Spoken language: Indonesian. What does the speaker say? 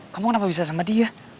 kamu kenapa bisa sama dia